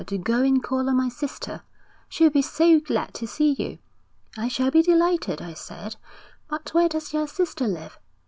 Do go and call on my sister. She'll be so glad to see you." "I shall be delighted," I said, "but where does your sister live?"